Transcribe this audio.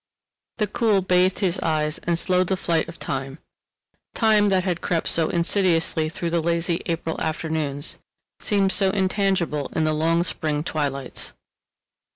The cool bathed his eyes and slowed the flight of time—time that had crept so insidiously through the lazy April afternoons, seemed so intangible in the long spring twilights.